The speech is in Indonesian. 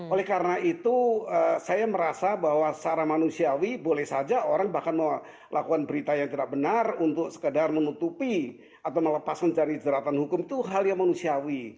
oleh karena itu saya merasa bahwa secara manusiawi boleh saja orang bahkan melakukan berita yang tidak benar untuk sekadar menutupi atau melepas mencari jeratan hukum itu hal yang manusiawi